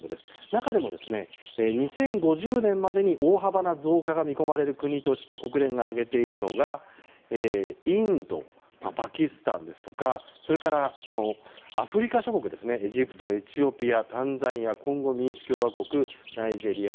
中でも、２０５０年までに大幅な増加が見込まれる国として国連が挙げているのがインドやパキスタンですとかそれからアフリカ諸国ですねエジプト、エチオピアタンザニア、コンゴ民主共和国ナイジェリア。